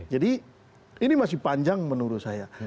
jadi ini masih panjang menurut saya